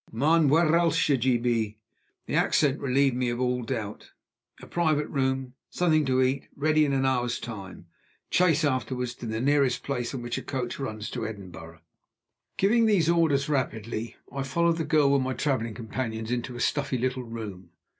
"Mon! whar' else should ye be?" The accent relieved me of all doubt. "A private room something to eat, ready in an hour's time chaise afterward to the nearest place from which a coach runs to Edinburgh." Giving these orders rapidly, I followed the girl with my traveling companions into a stuffy little room.